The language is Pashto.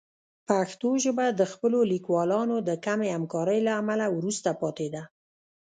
پښتو ژبه د خپلو لیکوالانو د کمې همکارۍ له امله وروسته پاتې ده.